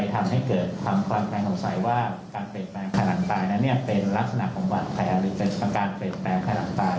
ใครสงสัยว่าการเปลี่ยนแปลงภายหลังตายนั้นเนี่ยเป็นลักษณะของบัตรแผลหรือเป็นการเปลี่ยนแปลงภายหลังตาย